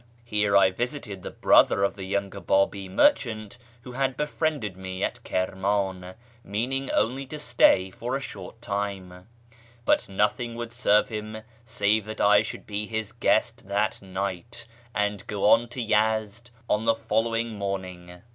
Here I visited the brother of the young Babi merchant who had befriended me at Kirman, meaning only to stay for a short time ; but nothing would serve him save that I should be his guest that night, and go on to Yezd on the following morning.